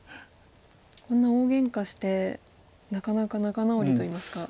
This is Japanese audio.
こんな大げんかしてなかなか仲直りといいますか。